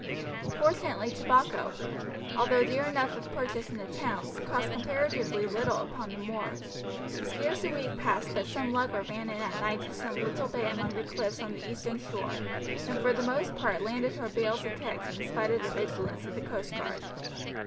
Fortunately tobacco, although dear enough if purchased in the towns, cost comparatively little upon the moors, for scarce a week passed but some lugger ran in at night to some little bay among the cliffs on the eastern shore, and for the most part landed her bales and kegs in spite of the vigilance of the coast guard.